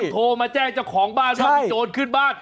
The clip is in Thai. โทรมาแจ้งเจ้าของบ้านว่ามีโจรขึ้นบ้าน